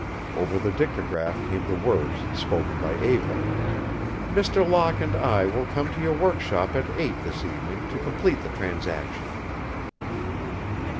Over the dictagraph came the words spoken by Eva, "Mr. Locke and I will come to your workshop at eight this evening to complete the transaction."